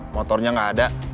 motornya tidak ada